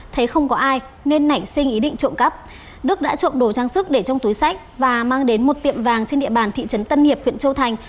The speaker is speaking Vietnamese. thấy không có ai nên nảy sinh ý định trộm cắp đức đã trộm đồ trang sức để trong túi sách và mang đến một tiệm vàng trên địa bàn thị trấn tân hiệp huyện châu thành